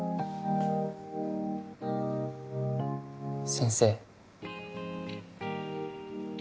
先生